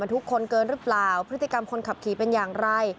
ทุกคนเกินหรือเปล่าพฤติกรรมคนขับขี่เป็นอย่างไร